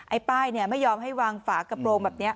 ไอ้ป้ายเนี่ยไม่ยอมให้วางฝากระโปรงแบบนี้